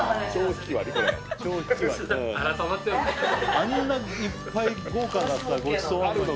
あんないっぱい豪華だったごちそうの。